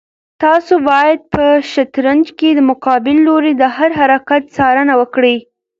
تاسو باید په شطرنج کې د مقابل لوري د هر حرکت څارنه وکړئ.